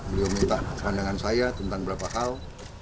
beliau minta pandangan saya tentang berapa hal